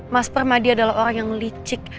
mas permadi adalah orang yang licik